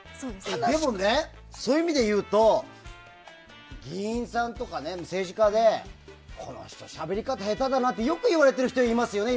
そういう意味で言うと議員さんとか政治家でこの人しゃべり方下手だなってよく言われている人いますよね。